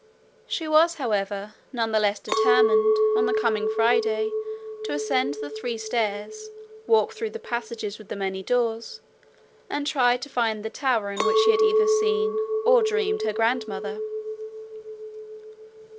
She was, however, none the less determined, on the coming Friday, to ascend the three stairs, walk through the passages with the many doors, and try to find the tower in which she had either seen or dreamed her grandmother.